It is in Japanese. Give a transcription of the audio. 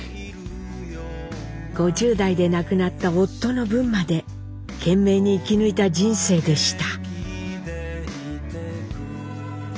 ５０代で亡くなった夫の分まで懸命に生き抜いた人生でした。